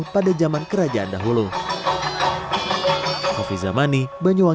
jadi dan perkembangan